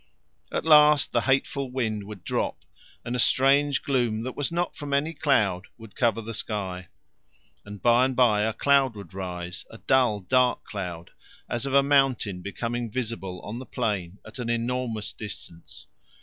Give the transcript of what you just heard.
At last the hateful wind would drop and a strange gloom that was not from any cloud would cover the sky; and by and by a cloud would rise, a dull dark cloud as of a mountain becoming visible on the plain at an enormous distance.